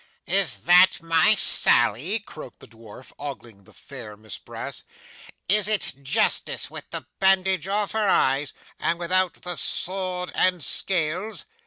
'Is that my Sally?' croaked the dwarf, ogling the fair Miss Brass. 'Is it Justice with the bandage off her eyes, and without the sword and scales?